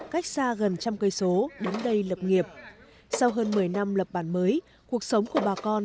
cách xa gần trăm cây số đứng đây lập nghiệp sau hơn một mươi năm lập bản mới cuộc sống của bà con